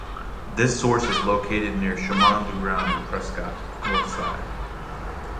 This source is located near Chemin du Rang Prescott (north side).